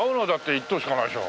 特等しかないでしょ。